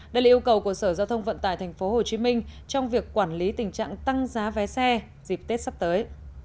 đây là yêu cầu của sở giao thông vận tải tp hcm trong việc quản lý tình trạng tăng giá vé xe dịp tết sắp tới